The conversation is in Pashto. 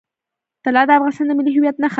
طلا د افغانستان د ملي هویت نښه ده.